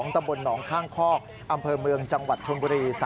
ตำบลหนองข้างคอกอำเภอเมืองจังหวัดชนบุรี